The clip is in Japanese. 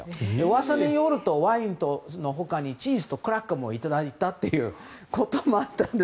噂によるとワインの他にチーズとクラッカーもいただいたということもあったんです。